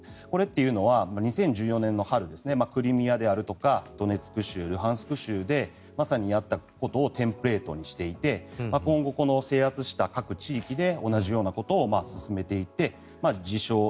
これというのは２０１４年の春クリミアであるとかドネツク州、ルガンスク州でまさにやったことをテンプレートにしていて今後、この制圧した各地域で同じようなことを進めていって自称